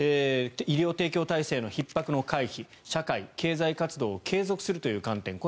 医療提供体制のひっ迫の回避社会、経済活動を継続するという観点